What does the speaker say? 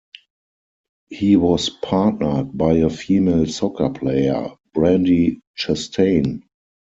He was partnered by a female soccer player, Brandi Chastain.